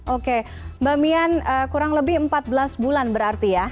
oke mbak mian kurang lebih empat belas bulan berarti ya